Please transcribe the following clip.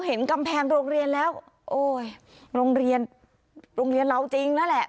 เห็นกำแพงโรงเรียนแล้วโอ้ยโรงเรียนโรงเรียนเราจริงนั่นแหละ